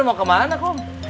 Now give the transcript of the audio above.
mau kemana kom